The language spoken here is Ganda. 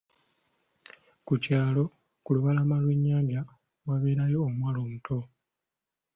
Mu kyalo ku lubalama Iwe'nyanja, waabeerayo omuwala omuto.